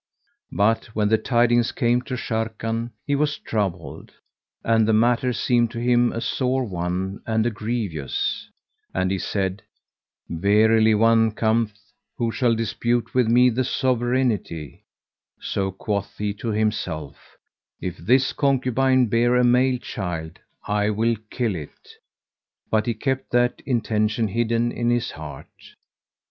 But when the tidings came to Sharrkan, he was troubled and the matter seemed to him a sore one and a grievous; and he said, "Verily one cometh who shall dispute with me the sovereignty:" so quoth he to himself, "If this concubine bear a male child I will kill it:" but he kept that intention hidden in his heart.